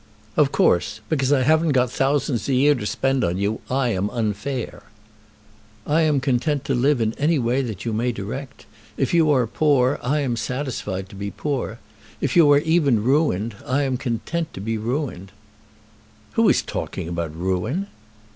"Of course! Because I haven't got thousands a year to spend on you I am unfair." "I am content to live in any way that you may direct. If you are poor, I am satisfied to be poor. If you are even ruined, I am content to be ruined." "Who is talking about ruin?"